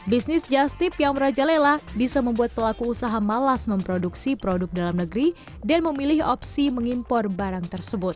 bisnis justip yang merajalela bisa membuat pelaku usaha malas memproduksi produk dalam negeri dan memilih opsi mengimpor barang tersebut